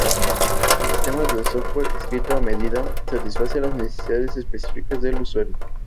El sistema de software escrito "a medida" satisface las necesidades específicas del usuario.